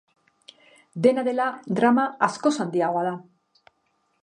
Dena dela, drama askoz handiagoa da.